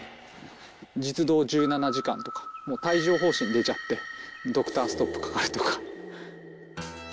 実働１７時間とか、もう帯状ほう疹出ちゃって、ドクターストップかかるとか。